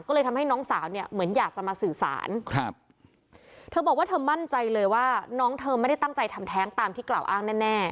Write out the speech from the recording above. ก็เลยทำให้น้องสาวเนี่ยเหมือนอยากจะมาสื่อสารครับเธอบอกว่าเธอมั่นใจเลยว่าน้องเธอไม่ได้ตั้งใจทำแท้งตามที่กล่าวอ้างแน่แน่